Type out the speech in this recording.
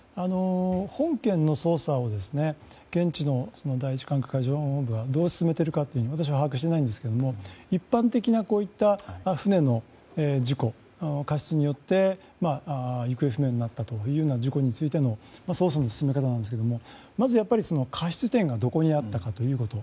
本件の捜査を現地の第１管区海上保安本部はどう進めているかというのは私は把握していないんですが一般的なこういった船の事故過失によって行方不明になった事故についての捜査の進め方なんですがまず過失点がどこにあったかということ。